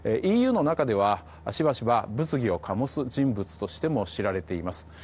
ＥＵの中では、しばしば物議を醸す人物としても知られています。